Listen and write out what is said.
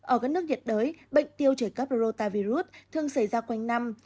ở các nước nhiệt đới bệnh tiêu chảy cấp rô ta virus thường xảy ra quanh năm